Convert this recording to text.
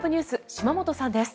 島本さんです。